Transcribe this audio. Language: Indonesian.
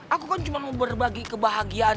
aku kan cuma mau berbagi kebahagiaan